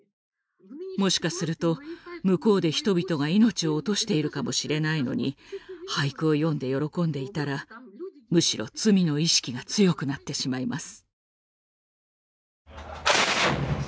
もしかすると向こうで人々が命を落としているかもしれないのに俳句を詠んで喜んでいたらむしろ罪の意識が強くなってしまいます。